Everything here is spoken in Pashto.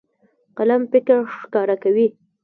قلم فکر ښکاره کوي.